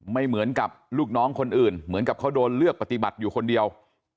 ไม่เหมือนกับลูกน้องคนอื่นเหมือนกับเขาโดนเลือกปฏิบัติอยู่คนเดียว